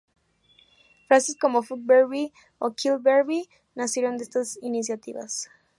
Frases como "fuck barbie" o "kill barbie", nacieron de estas iniciativas.